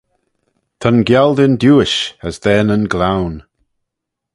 Ta'n gialdyn diuish, as da nyn gloan.